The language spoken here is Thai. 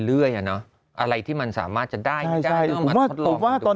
เรื่อยอ่าน้ออะไรที่มันสามารถจะได้ไม่ได้ไม่ค่อยว่าตอน